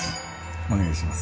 お願いします。